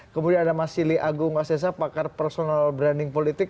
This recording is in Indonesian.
kemudian ada mas sili agung asesa pakar personal branding politik